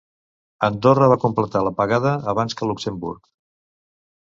Andorra va completar l'apagada abans que Luxemburg.